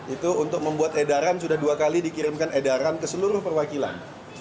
itu untuk membuat edaran sudah dua kali dikirimkan edaran ke seluruh perwakilan